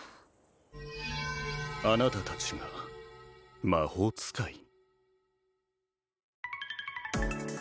あなた達が魔法使い？